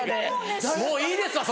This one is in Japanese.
もういいですわ